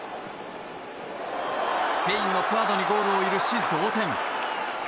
スペインのプアドにゴールを許し同点。